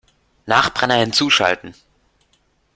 Nachbrenner hinzuschalten!